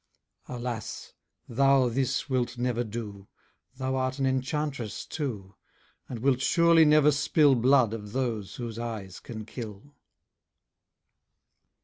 Alas! thou this wilt never do: Thou art an enchantress too, And wilt surely never spill Blood of those whose eyes can kill.